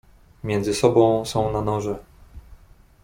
"Między sobą są na noże."